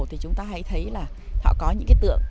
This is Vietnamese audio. thì chúng ta hãy thấy là họ có những cái tượng